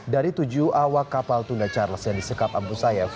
dari tujuh awak kapal tunda charles yang disekap abu sayyaf